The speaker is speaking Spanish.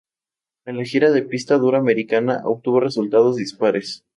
En la gira de pista dura americana, obtuvo resultados dispares.